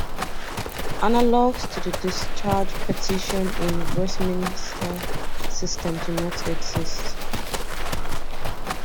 Analogs to the discharge petition in Westminster systems do not exist.